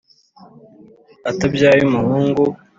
atabyaye umuhungu.